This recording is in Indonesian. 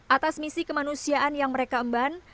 atas misi kemanusiaan yang mereka emban